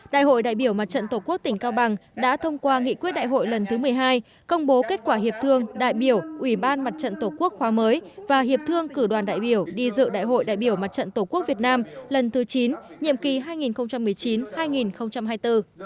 đại hội đại biểu mặt trận tổ quốc tỉnh cao bằng đã thông qua nghị quyết đại hội lần thứ một mươi hai công bố kết quả hiệp thương đại biểu ủy ban mặt trận tổ quốc khoa mới và hiệp thương cử đoàn đại biểu đi dự đại hội đại biểu mặt trận tổ quốc việt nam lần thứ chín nhiệm kỳ hai nghìn một mươi chín hai nghìn hai mươi bốn